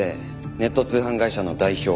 ネット通販会社の代表。